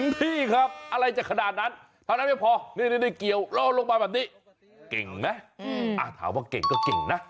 พี่ครับอะไรจากขนาดนั้นทวะนั้นพี่พรนุ้นเกียวล่อลงมาแบบนี้เก่งมั้ยถ้าหวังว่าเก่งก็เก่งนะ